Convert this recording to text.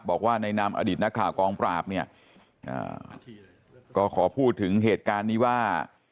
บอกว่าในนามอดีตนักข่าวกองปราบเนี่ยก็ขอพูดถึงเหตุการณ์นี้ว่า